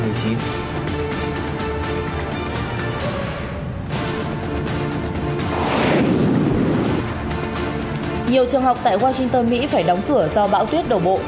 nhiều trường học tại washington mỹ phải đóng cửa do bão tuyết đổ bộ